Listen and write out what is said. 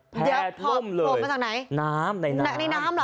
แพร่ท่มเลยน้ำในน้ำ